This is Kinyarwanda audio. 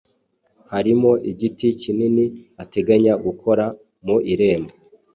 harimo igiti kinini ateganya gukora mu irembo